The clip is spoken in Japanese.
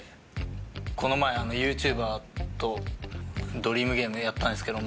この前ＹｏｕＴｕｂｅｒとドリームゲームやったんですけど